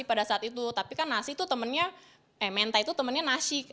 tapi pada saat itu tapi kan mentai itu temannya nasi